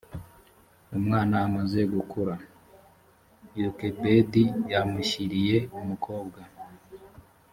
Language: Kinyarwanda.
umwana amaze gukura yokebedi yamushyiriye umukobwa